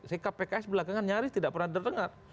sikap pks belakangan nyaris tidak pernah terdengar